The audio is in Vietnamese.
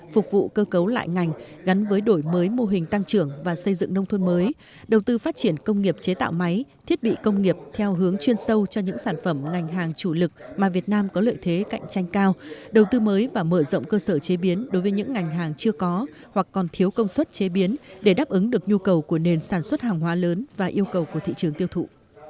phục vụ cơ cấu lại ngành gắn với đổi mới mô hình tăng trưởng và xây dựng nông thuận mới đầu tư phát triển công nghiệp chế tạo máy thiết bị công nghiệp theo hướng chuyên sâu cho những sản phẩm ngành hàng chủ lực mà việt nam có lợi thế cạnh tranh cao đầu tư mới và mở rộng cơ sở chế biến đối với những ngành hàng chưa có hoặc còn thiếu công suất chế biến để đáp ứng được nhu cầu của nền sản xuất hàng hóa lớn và yêu cầu của thị trường tiêu thụ